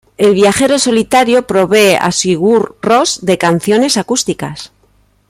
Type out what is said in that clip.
El Viajero Solitario provee a Sigur Rós de canciones acústicas.